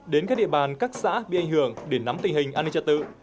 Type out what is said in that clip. đến các địa bàn các xã bị ảnh hưởng để nắm tình hình an ninh trật tự